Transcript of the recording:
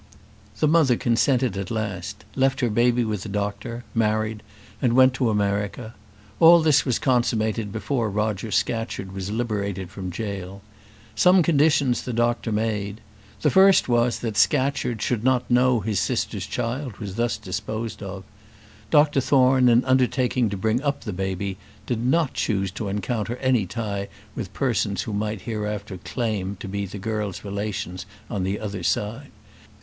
The mother consented at last; left her baby with the doctor, married, and went to America. All this was consummated before Roger Scatcherd was liberated from jail. Some conditions the doctor made. The first was, that Scatcherd should not know his sister's child was thus disposed of. Dr Thorne, in undertaking to bring up the baby, did not choose to encounter any tie with persons who might hereafter claim to be the girl's relations on the other side.